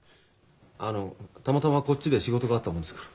あのたまたまこっちで仕事があったもんですから。